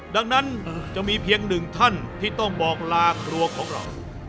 ดังนั้นจะมีเพียงหนึ่งท่านที่ต้องบอกลาครัวของเรา